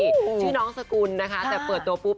ชื่อน้องสกุลนะคะแต่เปิดตัวปุ๊บ